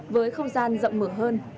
với không gian rộng mở hơn